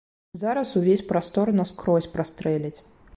Зараз увесь прастор наскрозь прастрэліць.